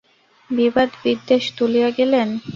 বিবাদ বিদ্বেষ তুলিয়া গেলেন।